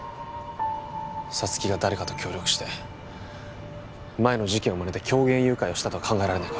沙月が誰かと協力して前の事件をまねて狂言誘拐をしたとは考えられないか？